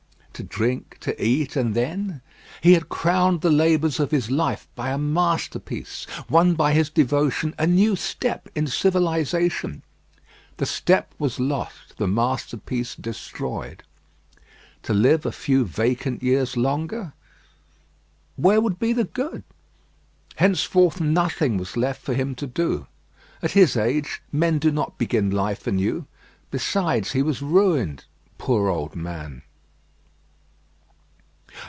To drink, to eat, and then? He had crowned the labours of his life by a masterpiece: won by his devotion a new step in civilisation. The step was lost; the masterpiece destroyed. To live a few vacant years longer! where would be the good? Henceforth nothing was left for him to do. At his age men do not begin life anew. Besides, he was ruined. Poor old man!